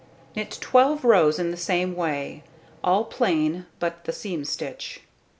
Knit 12 rows in the same way, all plain but the seam stitch.